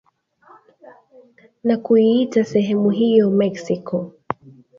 na kuiita sehemu hiyo Mexico,